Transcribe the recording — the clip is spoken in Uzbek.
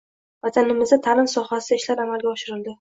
Vatanimizda taʼlim sohasida ishlar amalga oshirildi